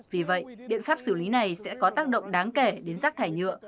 vì vậy biện pháp xử lý này sẽ có tác động đáng kể đến rác thải nhựa